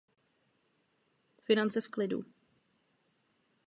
Radikálové následně se svými rodinami odjeli do severní Sýrie.